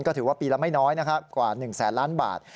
ก็ถือว่าปีละไม่น้อยนะครับกว่า๑แสนล้านบาท